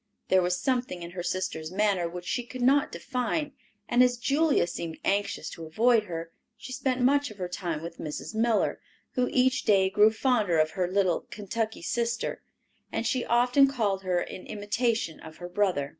There was something in her sister's manner which she could not define, and as Julia seemed anxious to avoid her, she spent much of her time with Mrs. Miller, who each day grew fonder of her little "Kentucky sister," as she often called her in imitation of her brother.